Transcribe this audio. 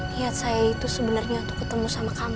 niat saya itu sebenarnya untuk ketemu sama kamu